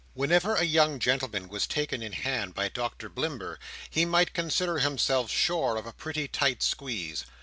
Whenever a young gentleman was taken in hand by Doctor Blimber, he might consider himself sure of a pretty tight squeeze.